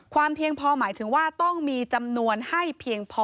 เพียงพอหมายถึงว่าต้องมีจำนวนให้เพียงพอ